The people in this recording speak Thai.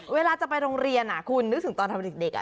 เวลาจะไปโรงเรียนคุณนึกถึงตอนทำเด็ก